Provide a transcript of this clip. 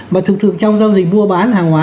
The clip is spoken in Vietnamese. mà thực sự trong giao dịch mua bán hàng hóa